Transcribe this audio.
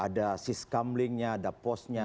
ada siskam linknya ada posnya